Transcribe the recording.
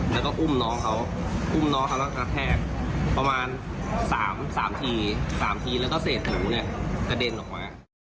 แล้วก็อุ้มน้องเขาอุ้มน้องเขาแล้วกระแทกประมาณ๓ที๓ทีแล้วก็เศษหนูเนี่ยกระเด็นออกมา